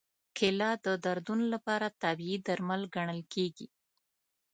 کېله د دردونو لپاره طبیعي درمل ګڼل کېږي.